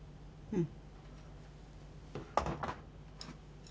うん。